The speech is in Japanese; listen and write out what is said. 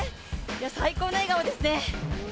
最高の笑顔ですね。